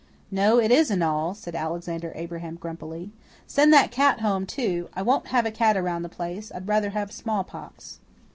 "No, it isn't all," said Alexander Abraham grumpily. "Send that cat home, too. I won't have a cat around the place I'd rather have smallpox."